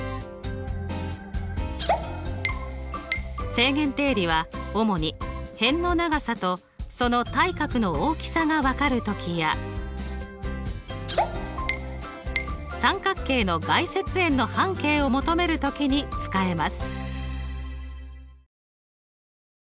正弦定理は主に辺の長さとその対角の大きさが分かる時や三角形の外接円の半径を求める時に使えます。